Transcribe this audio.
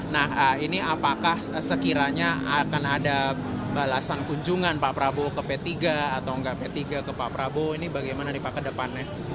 nah ini apakah sekiranya akan ada balasan kunjungan pak prabowo ke p tiga atau enggak p tiga ke pak prabowo ini bagaimana nih pak ke depannya